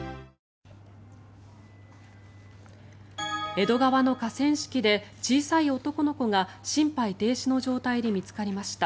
江戸川の河川敷で小さい男の子が心肺停止の状態で見つかりました。